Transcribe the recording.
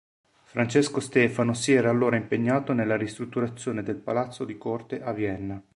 Francesco Stefano si era allora impegnato nella ristrutturazione del Palazzo di corte a Vienna.